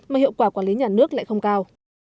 mà hiệu quả quản lý nhà nước lại không cao